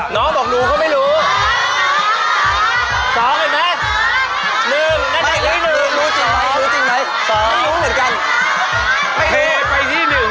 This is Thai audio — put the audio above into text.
น้องบอกหนูเขาไม่รู้